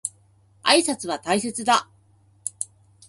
挨拶は大切だ。